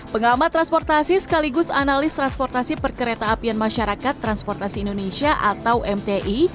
pengalaman transportasi sekaligus analis transportasi per kereta apian masyarakat transportasi indonesia atau mti